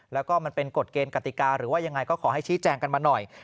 แล้วก็มันเป็นกฎเกณฑ์กติกาหรือว่ายังไงก็ขอให้ชี้แจงกันมาหน่อย